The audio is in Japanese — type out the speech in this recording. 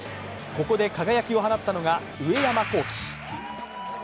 ここで輝きを放ったのが上山紘輝。